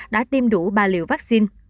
đã tiêm đủ ba liều vaccine